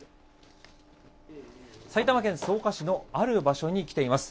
埼玉県草加市の、ある場所に来ています。